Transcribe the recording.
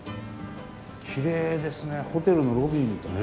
きれいですねホテルのロビーみたい。